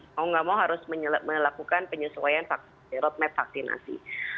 mau nggak mau harus melakukan penyesuaian roadmap vaksinasi